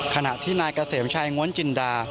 ขณะที่นายเกษมชัยง้วนจินดา